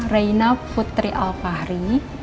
rena putri alfahri